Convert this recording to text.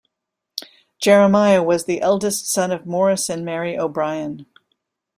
Jeremiah was the eldest son of Morris and Mary O'Brien.